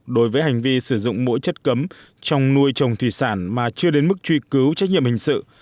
đối với hành vi sử dụng mỗi chất cấm trong nuôi trồng thủy sản mà chưa đến mức truy cứu trách nhiệm hình sự